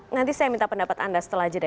nanti saya minta pendapat anda setelah jeda